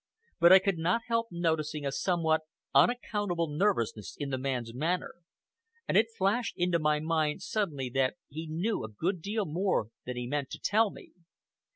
But I could not help noticing a somewhat unaccountable nervousness in the man's manner, and it flashed into my mind suddenly that he knew a good deal more than he meant to tell me.